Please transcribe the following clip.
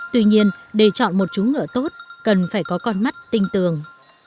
tuy nhiên để chọn một chú ngựa tốt cần phải có con mắt tinh tường